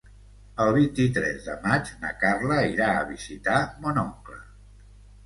El vint-i-tres de maig na Carla irà a visitar mon oncle.